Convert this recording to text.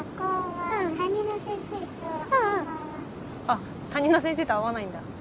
あっ担任の先生と合わないんだ。